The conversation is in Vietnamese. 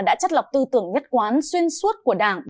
đã chất lọc tư tưởng nhất quán xuyên suốt của đảng